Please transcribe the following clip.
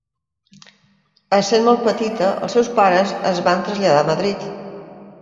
Essent molt petita els seus pares es van traslladar a Madrid.